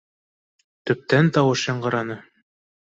Төптән тауыш яңғыраны: